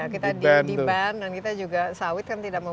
kita diban dan kita juga sawit kan tidak mau